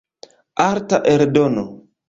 Arta eldono.